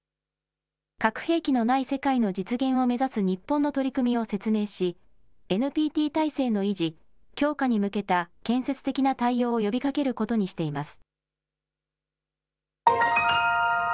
核兵器のない世界の実現を目指す日本の取り組みを説明しＮＰＴ体制の維持・強化に向けた建設的な対応を呼びかけることにしています。